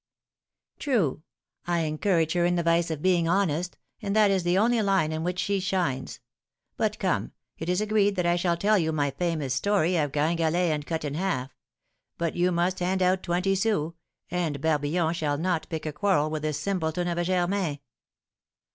"True; I encourage her in the vice of being honest, and that is the only line in which she shines. But come, it is agreed that I shall tell you my famous story of 'Gringalet and Cut in Half.' But you must hand out twenty sous, and Barbillon shall not pick a quarrel with this simpleton of a Germain!"